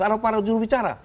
atau para jurubicara